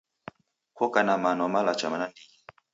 Kokana mano malacha nandighi.